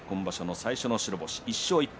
最初の白星１勝１敗。